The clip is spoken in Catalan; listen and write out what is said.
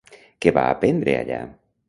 Què va aprendre allà?